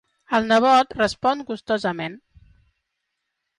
El nebot respon gustosament.